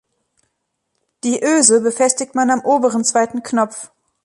Die Öse befestigte man am oberen zweiten Knopf.